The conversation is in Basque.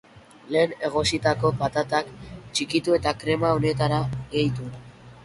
Lehen egositako patatak, txikitu eta krema honetara gehitu.